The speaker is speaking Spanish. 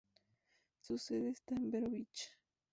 Su sede está en Vero Beach.